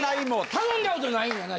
頼んだことないんやな？